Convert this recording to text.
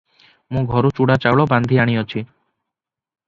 ମୁଁ ଘରୁ ଚୂଡ଼ା ଚାଉଳ ବାନ୍ଧି ଆଣିଅଛି ।